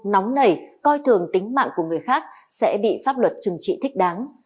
nóng nảy coi thường tính mạng của người khác sẽ bị pháp luật trừng trị thích đáng